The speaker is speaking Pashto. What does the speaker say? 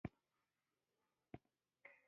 علی بن عبدالله، د سُفیان او هغه د ایوب.